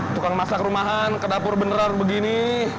tukang masak rumahan ke dapur beneran begini